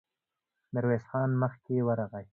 ميرويس خان مخکې ورغی.